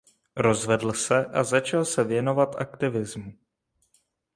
Rozvedl se a začal se věnovat aktivismu.